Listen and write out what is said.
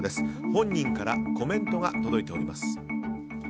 本人からコメントが届いております。